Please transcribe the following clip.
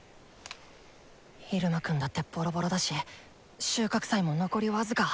イルマくんだってボロボロだし収穫祭も残りわずか。